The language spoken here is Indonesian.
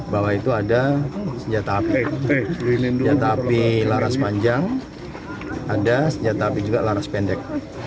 bahwa itu ada senjata api senjata api laras panjang ada senjata api juga laras pendek